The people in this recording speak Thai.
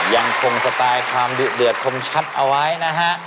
ยังคงสไตล์ความดุเดือดคมชัดเอาไว้นะฮะ